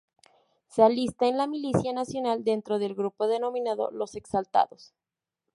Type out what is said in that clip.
Se alista en la milicia nacional dentro del grupo denominado "los exaltados".